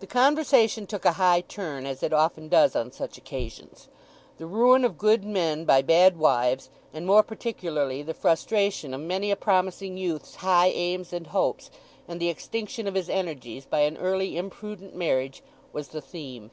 The conversation took a high turn, as it often does on such occasions. The ruin of good men by bad wives, and, more particularly, the frustration of many a promising youth's high aims and hopes and the extinction of his energies by an early imprudent marriage, was the theme.